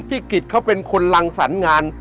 พี่กิจเขาเป็นคนรังสรรงาน